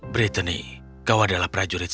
brittany kau adalah prajurit